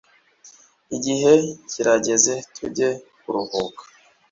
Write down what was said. igihe kirageze tujye kuruhuka